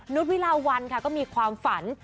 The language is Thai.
วิลาวันค่ะก็มีความฝัน